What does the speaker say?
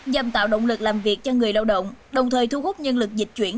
nhằm tạo động lực làm việc cho người lao động đồng thời thu hút nhân lực dịch chuyển